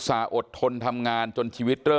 ไม่ตั้งใจครับ